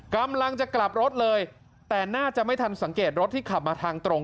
กำลังจะกลับรถเลยแต่น่าจะไม่ทันสังเกตรถที่ขับมาทางตรง